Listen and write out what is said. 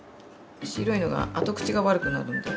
白いのが後口が悪くなるんで。